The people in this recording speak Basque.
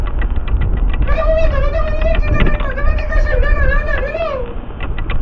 Gaur egun Torontoko Unibertsitateko matematika-sailean lanean dihardu.